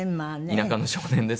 田舎の少年ですから。